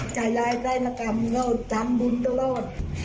จ่ายยายใส่นกรรมเขาทำบุญตลอด